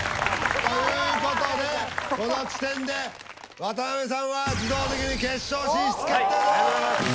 ということでこの時点で渡辺さんは自動的に決勝進出決定です。